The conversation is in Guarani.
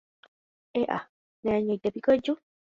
¡E'a! neañóntepiko eju.